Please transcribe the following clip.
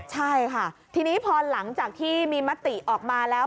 ใช่ค่ะทีนี้พอหลังจากที่มีมติออกมาแล้ว